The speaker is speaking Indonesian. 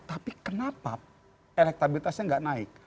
tapi kenapa elektabilitasnya nggak naik